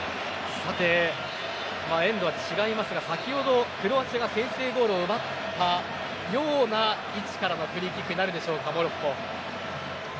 さて、エンドは違いますが先ほどクロアチアが先制ゴールを奪ったような位置からのフリーキックになるでしょうかモロッコ。